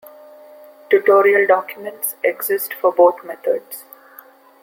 Tutorial documents exist for both methods.